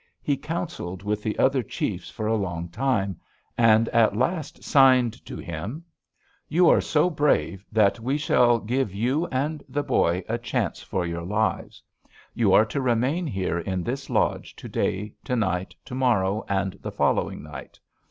He counseled with the other chiefs for a long time, and at last signed to him: 'You are so brave that we shall give you and the boy a chance for your lives. You are to remain here in this lodge to day, to night, to morrow, and the following night.